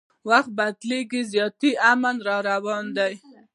وخت بدلیږي زیاتي امن را روان دی